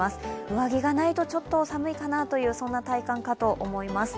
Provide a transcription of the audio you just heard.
上着がないとちょっと寒いかなという体感かと思います。